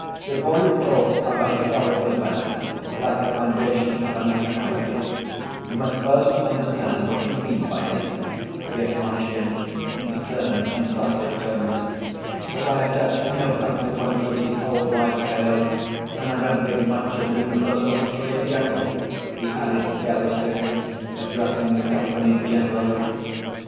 "Before you talk of a historical event like the foundation of a nationality, you must first understand what you mean by it," he admonished him in stern, incisive tones. "But I attach no consequence to these old wives' tales and I don't think much of universal history in general," he added carelessly, addressing the company generally.